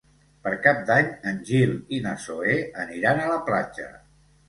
Per Cap d'Any en Gil i na Zoè aniran a la platja.